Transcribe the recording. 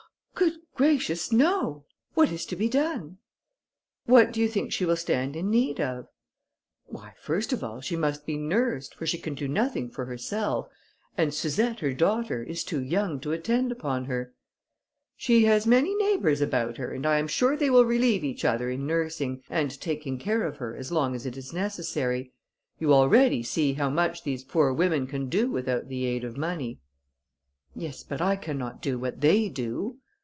"Good gracious, no! What is to be done?" "What do you think she will stand in need of?" "Why, first of all, she must be nursed, for she can do nothing for herself, and Suzette, her daughter, is too young to attend upon her." "She has many neighbours about her, and I am sure they will relieve each other in nursing, and taking care of her, as long as it is necessary. You already see how much these poor women can do without the aid of money." "Yes, but I cannot do what they do."